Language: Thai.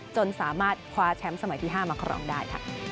จนสามารถคว้าแชมป์สมัยที่๕มาครองได้ค่ะ